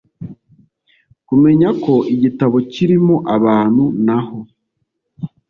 Kumenya ko igitabo kirimo abantu n aho